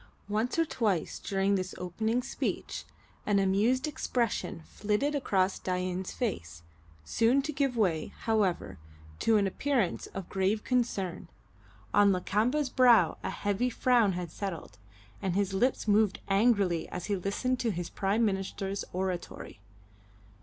Once or twice during this opening speech an amused expression flitted across Dain's face, soon to give way, however, to an appearance of grave concern. On Lakamba's brow a heavy frown had settled, and his lips moved angrily as he listened to his Prime Minister's oratory.